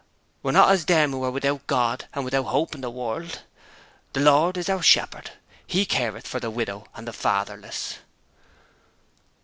'We're not as them who are without God and without hope in the world. The Lord is our shepherd. He careth for the widow and the fatherless.'